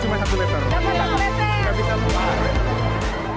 dapat satu liter